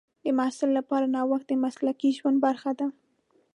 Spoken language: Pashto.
د محصل لپاره نوښت د مسلکي ژوند برخه ده.